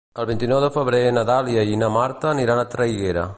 El vint-i-nou de febrer na Dàlia i na Marta aniran a Traiguera.